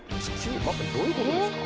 どういうことですか？